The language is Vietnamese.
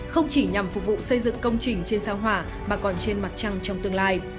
không chỉ nhằm phục vụ xây dựng công trình trên sao hỏa mà còn trên mặt trăng trong tương lai